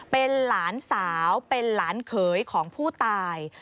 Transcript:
เป็นหลานสาวเป็นหลานเขยของผู้ตาย